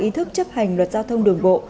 ý thức chấp hành luật giao thông đường bộ